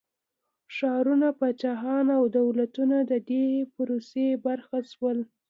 ښارونه، پاچاهيان او دولتونه د دې پروسې برخه شول.